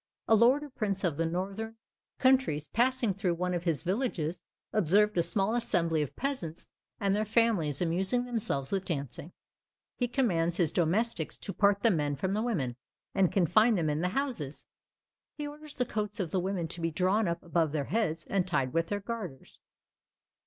A lord or prince of the northern countries passing through one of his villages, observed a small assembly of peasants and their families amusing themselves with dancing. He commands his domestics to part the men from the women, and confine them in the houses. He orders the coats of the women to be drawn up above their heads, and tied with their garters.